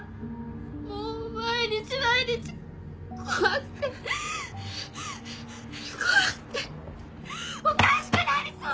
もう毎日毎日怖くて怖くておかしくなりそう！